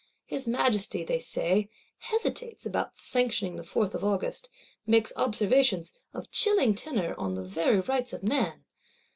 His Majesty, they say, hesitates about sanctioning the Fourth of August; makes observations, of chilling tenor, on the very Rights of Man!